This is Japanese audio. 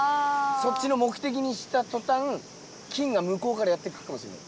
そっちの目的にしたとたん金がむこうからやって来るかもしれない。